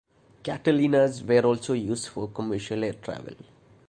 Catalinas were also used for commercial air travel.